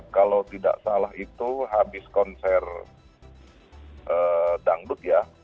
kalau tidak salah itu habis konser dangdut ya